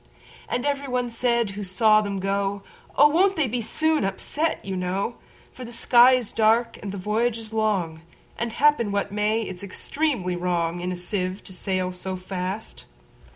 And every one said who saw them go,"Oh! won't they be soon upset, you know:For the sky is dark, and the voyage is long; And, happen what may, it 's extremely wrongIn a sieve to sail so fast."